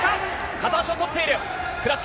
片足を取っている。